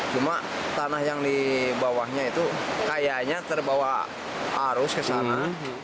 cuma tanah yang di bawahnya itu kayaknya terbawa arus ke sana